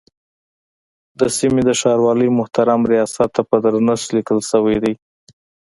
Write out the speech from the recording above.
د سیمې د ښاروالۍ محترم ریاست ته په درنښت لیکل شوی دی.